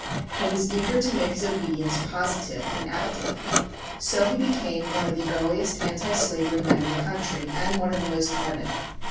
He was eager to make his obedience positive and active; so he became one of the earliest antislavery men in the country, and one of the most ardent.